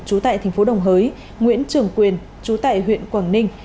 trú tại thành phố đồng hới nguyễn trường quyền chú tại huyện quảng ninh